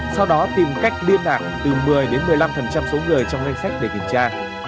sau đó tìm cách liên lạc từ một mươi một mươi năm số người trong danh sách để kiểm tra